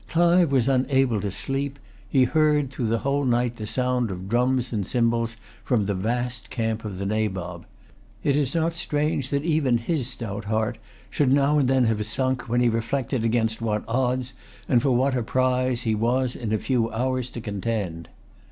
Clive was unable to sleep; he heard, through the whole night the sound of drums and cymbals from the vast camp of the Nabob. It is not strange that even his stout heart should now and then have sunk, when he reflected against what odds, and for what a prize, he was in a few hours to contend.